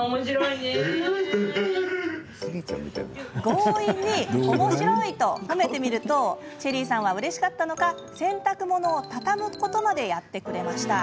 強引におもしろい！と褒めてみるとチェリーさんはうれしかったのか洗濯物を畳むことまでやってくれました。